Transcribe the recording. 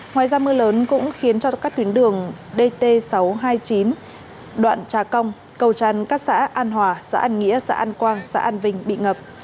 ngoài ra mưa lớn cũng khiến cho các tuyến đường dt sáu trăm hai mươi chín đoạn trà cong cầu tràn các xã an hòa xã an nghĩa xã an quang xã an vinh bị ngập